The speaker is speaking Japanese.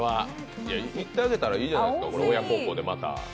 行ってあげたらいいじゃないですか、親孝行でまた。